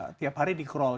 setiap hari di crawling